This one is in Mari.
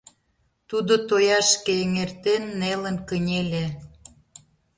Тудо, тояшке эҥертен, нелын кынеле.